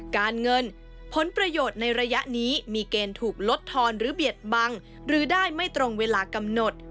การเงินผลประโยชน์ในระยะนี้มีเกณฑ์ถูกลดทอนหรือเบียดบังหรือได้ไม่ตรงเวลากำหนด